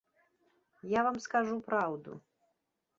Я вам скажу праўду.